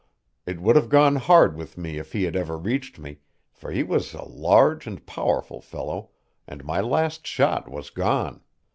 It would have gone hard with me if he had ever reached me, for he was a large and powerful fellow, and my last shot was gone.